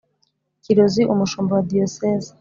kirozi umushumba wa diyosezi